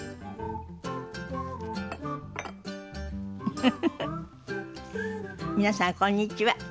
フフフフ皆さんこんにちは。